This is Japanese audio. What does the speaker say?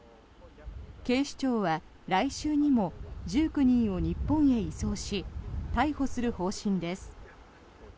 警視庁は来週にも１９人を日本へ移送し逮捕する方針です。